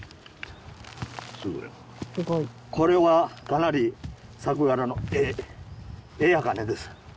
これはかなり作柄のええ茜です